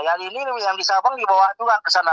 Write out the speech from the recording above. yang ini yang di sabang dibawa juga ke sana